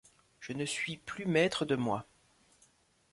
Je ne suis plus maître de moi.